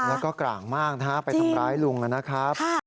แล้วก็กร่างมากนะฮะไปทำร้ายลุงนะครับ